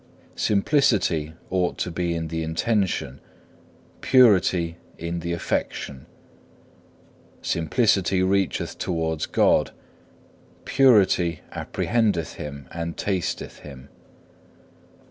Simplicity ought to be in the intention, purity in the affection. Simplicity reacheth towards God, purity apprehendeth Him and tasteth Him.